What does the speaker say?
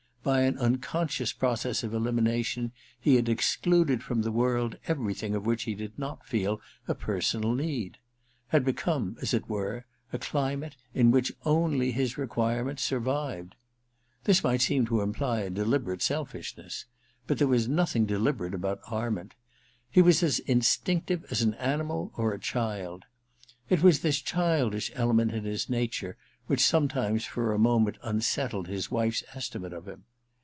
By an unconscious process of elimination he had excluded from the world everything of which he did not feel a personal need : had become, as it were, a climate in which only his own requirements survived. This might seem to imply a deliber ate selfishness ; but there was nothing deliberate about Arment. He was as instinctive as an animal or a child. It was this childish element in his nature which sometimes for a moment unsettled his wife's estimate of him.